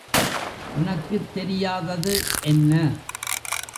உனக்குத் தெரியாதது என்ன?